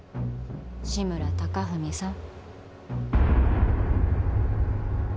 志村貴文さん